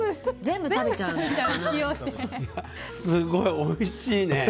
すごい、おいしいね。